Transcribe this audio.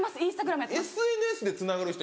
ＳＮＳでつながる人